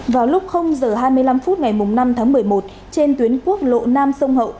vào lúc giờ hai mươi năm phút ngày năm tháng một mươi một trên tuyến quốc lộ nam sông hậu